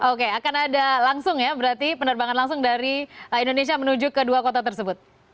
oke akan ada langsung ya berarti penerbangan langsung dari indonesia menuju ke dua kota tersebut